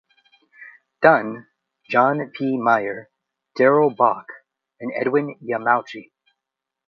Dunn, John P. Meier, Darrell Bock, and Edwin Yamauchi.